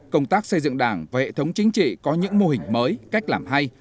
công tác xây dựng đảng và hệ thống chính trị có những mô hình mới cách làm hay